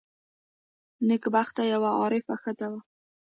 نېکبخته یوه عارفه ښځه وه.